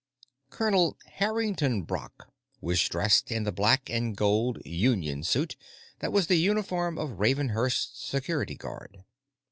Colonel Harrington Brock was dressed in the black and gold "union suit" that was the uniform of Ravenhurst's Security Guard.